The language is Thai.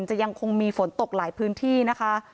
ยังคงมีฝนตกหลายพื้นที่นะคะ